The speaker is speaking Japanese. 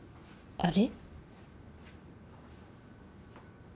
あれ？